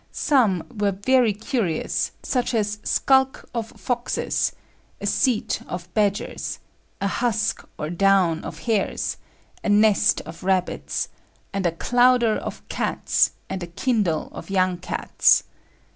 Some were very curious, such as a skulk of foxes, a cete of badgers, a huske or down of hares, a nest of rabbits, and a clowder of cats, and a kindle of young cats.